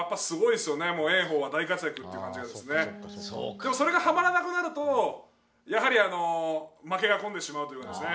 でもそれがハマらなくなるとやはり負けが込んでしまうというかですね。